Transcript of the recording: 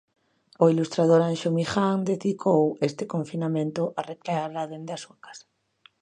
O Ilustrador Anxo Miján dedicou este confinamento a recreala dende a súa casa.